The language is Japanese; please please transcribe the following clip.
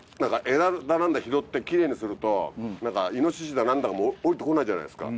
枝だ何だ拾ってキレイにするとイノシシだ何だも下りて来ないじゃないですか。